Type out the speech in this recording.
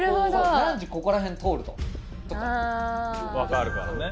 「何時ここら辺通る」とか。分かるからね。